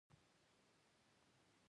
دا لارې سږی او د بدن پوستکی دي.